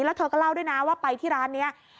แล้วเธอก็เล่าด้วยนะว่าไปที่ร้านนี้